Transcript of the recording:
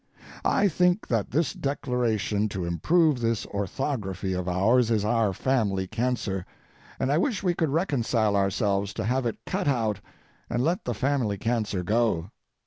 I think that this declaration to improve this orthography of ours is our family cancer, and I wish we could reconcile ourselves to have it cut out and let the family cancer go.